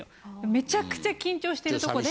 めちゃくちゃ緊張してるとこで。